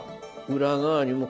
裏側にも。